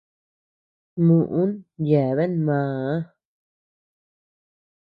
Muʼün yebean maa.